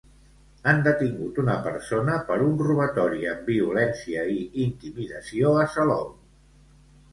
Han detingut una persona per un robatori amb violència i intimidació a Salou.